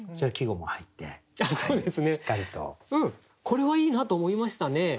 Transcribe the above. これはいいな、と思いましたね。